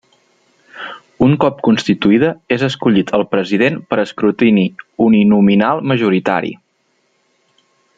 Un cop constituïda és escollit el president per escrutini uninominal majoritari.